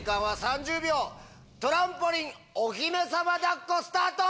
トランポリンお姫様抱っこスタート！